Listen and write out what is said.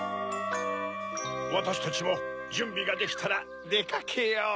わたしたちもじゅんびができたらでかけよう。